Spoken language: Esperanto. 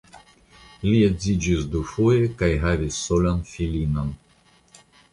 Li edziĝis dufoje kaj havis solan filinon.